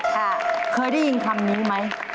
ค่ะเคยได้ยินคำนี้ไหม